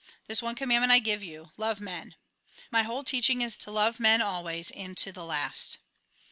This one commandment I give you : Love men. My whole teaching is, to love men always, and to the last."